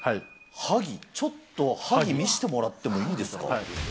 ちょっと、はぎ見せてもらってもいいですか。